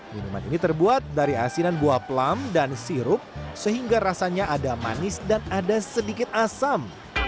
minuman ini terbuat dari asinan buah pelam dan sirup sehingga rasanya ada manis dan ada sedikit asam